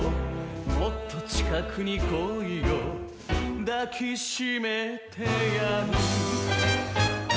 「もっと近くに来いよ抱きしめてやる」